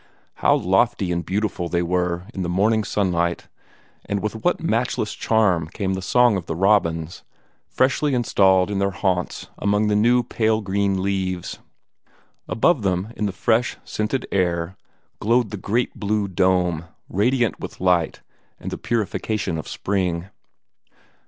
How lofty and beautiful they were in the morning sunlight, and with what matchless charm came the song of the robins, freshly installed in their haunts among the new pale green leaves! Above them, in the fresh, scented air, glowed the great blue dome, radiant with light and the purification of spring.